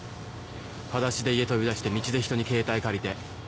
はだしで家飛び出して道で人に携帯借りて。